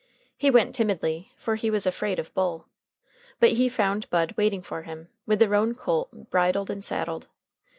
He went timidly, for he was afraid of Bull. But he found Bud waiting for him, with the roan colt bridled and saddled.